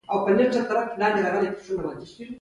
مډرن عصر انسان لوبغاړی دی.